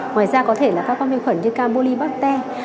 ngoài ra có thể là các con vi khuẩn như cam bô ly bác te